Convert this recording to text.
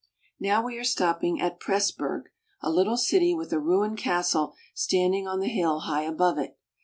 Now we are stopping at Pressburg, a little city with a ruined castle standing on the hill high above it.